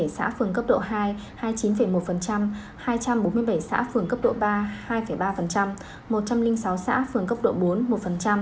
một mươi xã phường cấp độ hai hai mươi chín một hai trăm bốn mươi bảy xã phường cấp độ ba hai ba một trăm linh sáu xã phường cấp độ bốn một